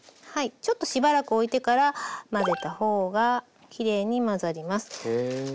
ちょっとしばらくおいてから混ぜた方がきれいに混ざります。